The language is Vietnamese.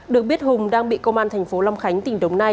được biết hùng đang bị công an thành phố long khánh tỉnh đồng nai